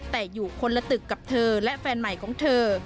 แต่อยู่คนละตึกกับเธอและแฟนใหม่ของเธอ